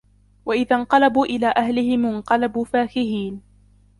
وَإِذَا انْقَلَبُوا إِلَى أَهْلِهِمُ انْقَلَبُوا فَكِهِينَ